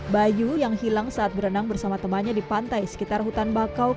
bayu yang hilang saat berenang bersama temannya di pantai sekitar hutan bakau